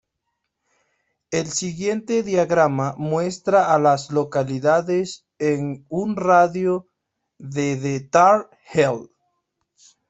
El siguiente diagrama muestra a las localidades en un radio de de Tar Heel.